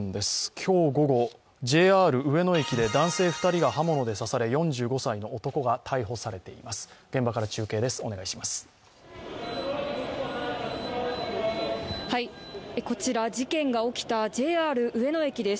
今日午後、ＪＲ上野駅で男性２人が刃物でさされ４５歳の男が逮捕されています。